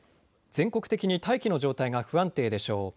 全国的に大気の状態が不安定でしょう。